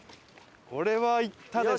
これはいったでしょ？